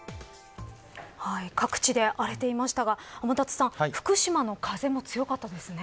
各地で荒れていましたが天達さん福島の風も強かったですね。